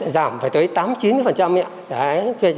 giảm phải tới tám chín nhé